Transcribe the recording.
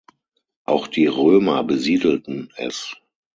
Auch die Römer besiedelten es.